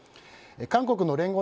韓国の聯合